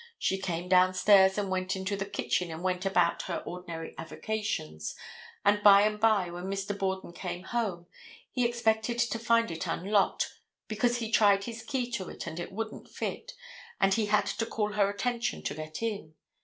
She came down stairs and went into the kitchen and went about her ordinary avocations, and by and by, when Mr. Borden came home, he expected to find it unlocked, because he tried his key to it and it wouldn't fit, and he had to call her attention to get in.